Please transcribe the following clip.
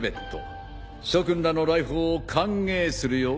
諸君らの来訪を歓迎するよ。